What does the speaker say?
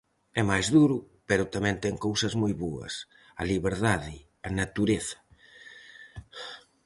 É máis duro, pero tamén ten cousas moi boas, a liberdade, a natureza...